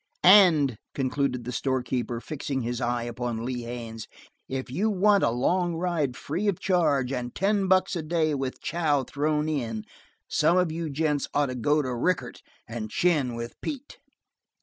"And," concluded the store keeper, fixing his eye upon Lee Haines, "if you want a long ride free of charge, and ten bucks a day with chow thrown in some of you gents ought to go to Rickett and chin with Pete."